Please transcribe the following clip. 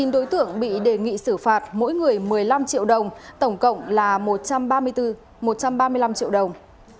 chín đối tượng bị đề nghị xử phạt mỗi người một mươi năm triệu đồng tổng cộng là một trăm ba mươi năm triệu đồng